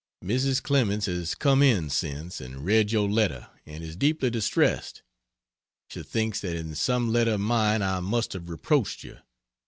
C. P. S. Mrs. Clemens has come in since, and read your letter and is deeply distressed. She thinks that in some letter of mine I must have reproached you.